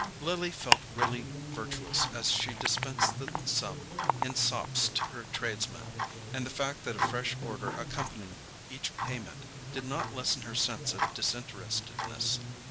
Lily felt really virtuous as she dispensed the sum in sops to her tradesmen, and the fact that a fresh order accompanied each payment did not lessen her sense of disinterestedness.